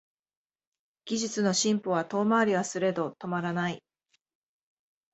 技術の進歩は遠回りはすれど止まらない